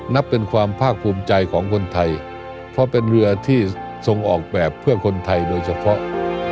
นับเป็นความภาคภูมิใจของคนไทยเพราะเป็นเรือที่ทรงออกแบบเพื่อคนไทยโดยเฉพาะ